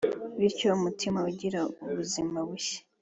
bityo umutima ugira ubuzima bushya